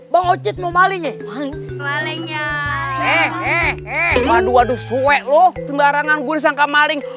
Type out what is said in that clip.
bangocit mau maling maling malingnya eh eh eh waduh suwe lo sembarangan gue sangka maling